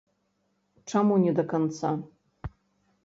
Чаму не да канца?